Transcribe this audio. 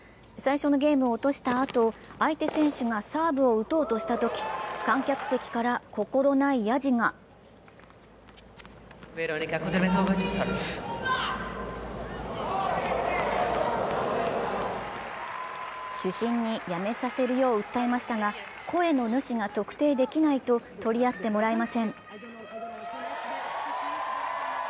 最初のゲームを落としたあと相手選手がサーブを打とうとしたとき観客席から心ないやじが主審にやめさせるよう訴えましたが、声の主が特定できないと取り合ってもらえません。